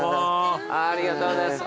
ありがとうございます。